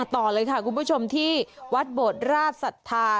ต่อเลยค่ะคุณผู้ชมที่วัดโบดราชศรัทธา